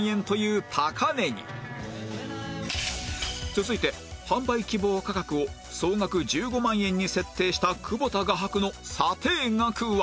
続いて販売希望価格を総額１５万円に設定した久保田画伯の査定額は